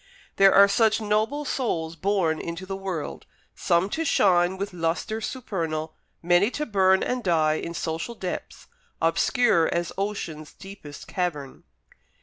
There are such noble souls born into the world, some to shine with lustre supernal, many to burn and die in social depths, obscure as ocean's deepest cavern.